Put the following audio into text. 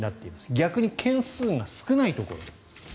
逆に件数が少ないところ。